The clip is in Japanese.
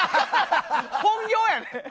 本業やねん！